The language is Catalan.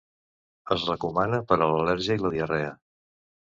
Es recomana per a l'al·lèrgia i la diarrea.